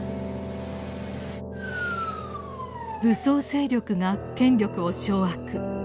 武装勢力が権力を掌握。